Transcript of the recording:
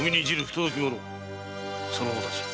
その方たち